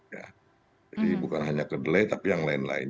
jadi bukan hanya kedelai tapi yang lain lain